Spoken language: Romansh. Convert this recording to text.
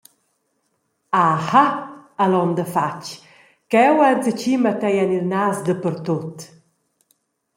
«Aha», ha l’onda fatg, «cheu ha enzatgi matei en il nas dapertut.